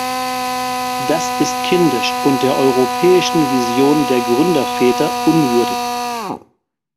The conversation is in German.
Das ist kindisch und der europäischen Vision der Gründerväter unwürdig!